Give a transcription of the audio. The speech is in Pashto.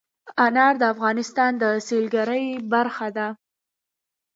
انار د افغانستان د سیلګرۍ برخه ده.